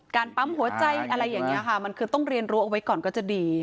ปั๊มหัวใจอะไรอย่างนี้ค่ะมันคือต้องเรียนรู้เอาไว้ก่อนก็จะดี